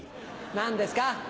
何ですか？